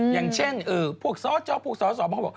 อย่างเช่นพวกสจเขาก็บอก